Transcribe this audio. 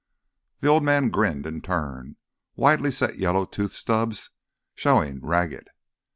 The old man grinned in turn, widely set yellow tooth stubs showing ragged.